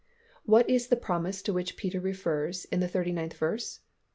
What is the promise to which Peter refers in the thirty ninth verse?